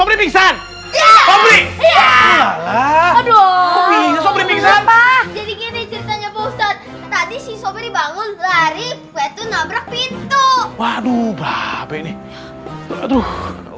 bangun lari itu nabrak pintu waduh